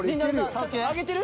ちょっと上げてる？